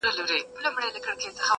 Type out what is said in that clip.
نه بيزو نه قلندر ورته په ياد وو؛